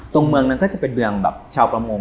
เมืองนั้นก็จะเป็นเมืองแบบชาวประมง